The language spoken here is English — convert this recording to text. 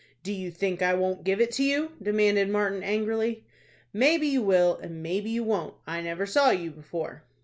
"Do you think I won't give it to you?" demanded Martin, angrily. "Maybe you will, and maybe you won't. I never saw you before."